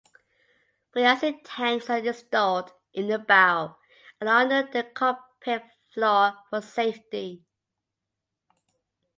Buoyancy tanks are installed in the bow and under the cockpit floor for safety.